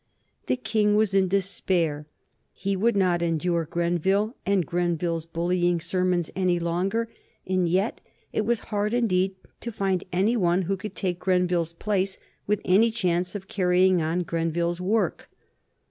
The King was in despair. He would not endure Grenville and Grenville's bullying sermons any longer, and yet it was hard indeed to find any one who could take Grenville's place with any chance of carrying on Grenville's work.